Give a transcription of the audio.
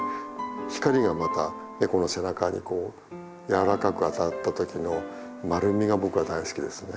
光がまたネコの背中にこうやわらかく当たった時の丸みが僕は大好きですね。